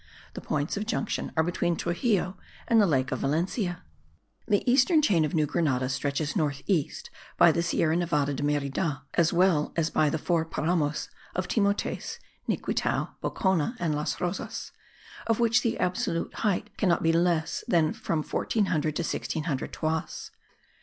The points of junction are between Truxillo and the lake of Valencia. The eastern chain of New Grenada stretches north east by the Sierra Nevada de Merida, as well as by the four Paramos of Timotes, Niquitao, Bocono and Las Rosas, of which the absolute height cannot be less than from 1400 to 1600 toises.